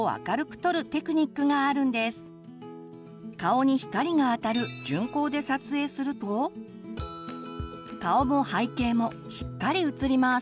顔に光があたる順光で撮影すると顔も背景もしっかり写ります。